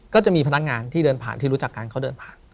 ก็จะมีพนักงานที่เดินผ่านที่รู้จักกันเขาเดินผ่าน